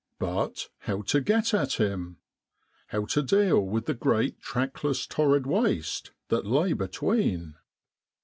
But how to get at him? How to deal with the great trackless torrid waste that lay between